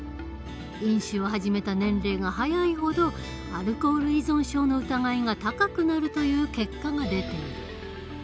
飲酒を始めた年齢が早いほどアルコール依存症の疑いが高くなるという結果が出ている。